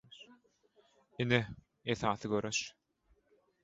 Ine, esasy göreş.